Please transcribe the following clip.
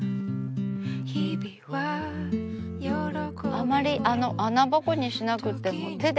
あまり穴ぼこにしなくても手で。